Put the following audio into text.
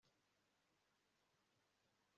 Urabyemera mubyukuri